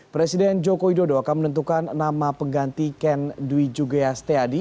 presiden joko widodo akan menentukan nama pengganti ken dwi jugeas teadi